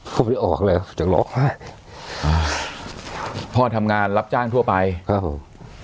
พ่อที่ออกเลยอ้อกมากเลยพ่อทำงานรับจ้างทั่วไปครับผม